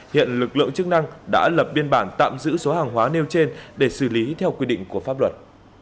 hiện lực lượng chức năng đã lập biên bản tạm giữ số hàng hóa nêu trên để xử lý theo quy định của pháp luật